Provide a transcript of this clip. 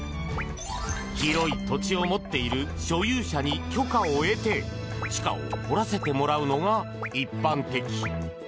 広い土地を持っている所有者に許可を得て地下を掘らせてもらうのが一般的。